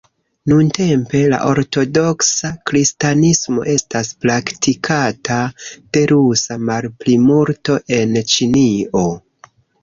Nuntempe, la ortodoksa kristanismo estas praktikata de rusa malplimulto en Ĉinio.